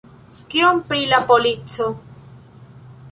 Kion pri la polico?